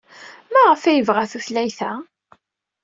Maɣef ay yebɣa talɣut-a?